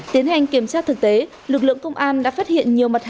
tiến hành kiểm tra thực tế lực lượng công an đã phát hiện nhiều mặt hàng